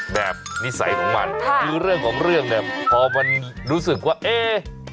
แบบนิสัยของมันคือเรื่องของเรื่องเนี่ยพอมันรู้สึกว่าเอ๊ะ